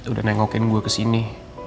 udah nengokin gue kesini